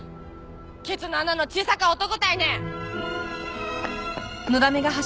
ケツの穴の小さか男たいね！